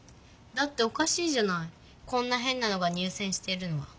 だっておかしいじゃないこんなへんなのが入せんしてるのは。